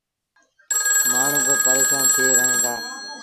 مآڻهوٚݩ با پريشآن ٿئي وهيݩ دآ۔